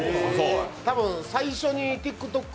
多分、最初にＴｉｋＴｏｋ